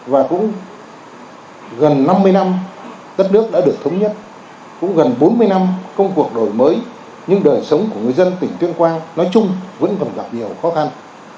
và cũng gần năm mươi năm đất nước đã được thống nhất cũng gần bốn mươi năm công cuộc đổi mới nhưng đời sống của người dân tỉnh tuyên quang nói chung vẫn còn gặp nhiều khó khăn